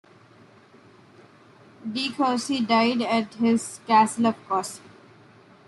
De Coucy died at his castle of Coucy.